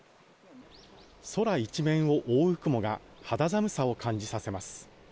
空一面を覆う雲が肌寒さを感じさせます。